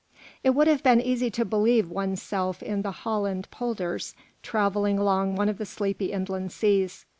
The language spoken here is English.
It would have been easy to believe one's self in the Holland Polders, travelling along one of the sleepy inland seas.